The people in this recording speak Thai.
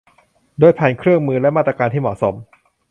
โดยผ่านเครื่องมือและมาตรการที่เหมาะสม